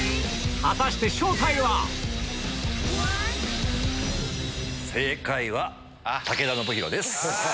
果たして正体は⁉正解は武田修宏です。